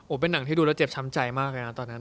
เป็นหนังที่ดูแล้วเจ็บช้ำใจมากเลยนะตอนนั้น